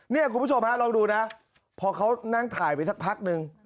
คุณผู้ชมฮะลองดูนะพอเขานั่งถ่ายไปสักพักนึง